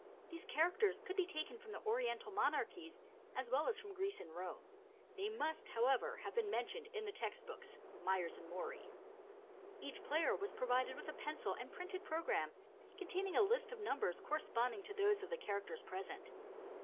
These characters could be taken from the Oriental monarchies as well as from Greece and Rome. They must, however, have been mentioned in the text books (Myers and Morey). Each player was provided with a pencil and printed program containing a list of numbers corresponding to those of the characters present.